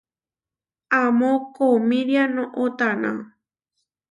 Amó koʼomíria noʼó taná.